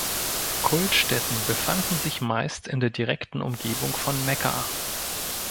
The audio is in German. Kultstätten befanden sich meist in der direkten Umgebung von Mekka.